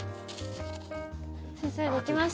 先生できました。